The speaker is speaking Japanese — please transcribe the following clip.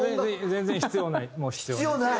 全然必要ない必要ない。